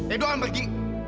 edo akan pergi